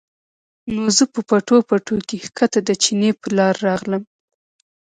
نو زۀ پۀ پټو پټو کښې ښکته د چینې پۀ لاره راغلم